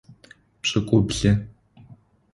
Пшӏыкӏублы.